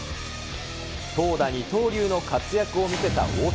投打二刀流の活躍を見せた大谷。